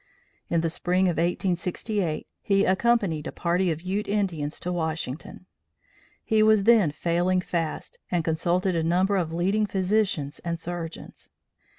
In the spring of 1868, he accompanied a party of Ute Indians to Washington. He was then failing fast and consulted a number of leading physicians and surgeons.